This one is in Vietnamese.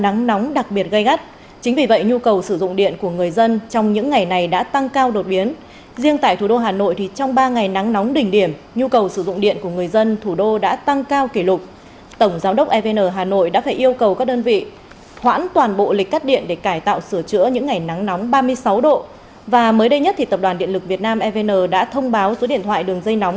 và mới đây nhất thì tập đoàn điện lực việt nam evn đã thông báo dưới điện thoại đường dây nóng của các trung tâm chăm sóc khách hàng ngành điện ở khu vực phía bắc để khách hàng có thể liên hệ khi mất điện